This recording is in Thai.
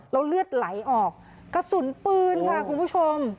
แล้วเลือดไหลออกกระสุนปืนค่ะคุณผู้ชม